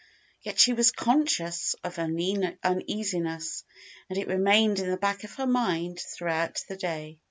Yet she was conscious of uneasiness, and it remained in the back of her mind throughout the day.